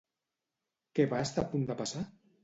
Què va estar a punt de passar?